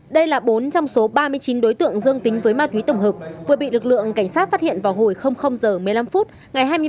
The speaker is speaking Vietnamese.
đây là bốn trong số ba mươi chín đối tượng dương tính với ma túy tổng hợp vừa bị lực lượng cảnh sát phát hiện vào hồi h một mươi năm